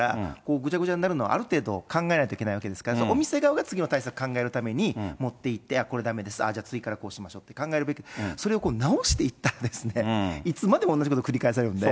ぐちゃぐちゃになるのはある程度、考えないといけないわけですから、お店側が次の対策を考えるために持っていって、これだめです、じゃあ、次からこうしましょうって考えるべき、それを直していったら、いつまでも同じこと繰り返されるので。